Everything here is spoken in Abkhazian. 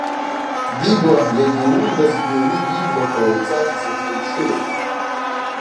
Дигәа егьа иундазгьы уи иблақәа уаҩҵас дзырхымԥшылеит.